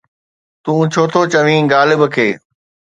تون ڇو ٿو چوين غالب کي؟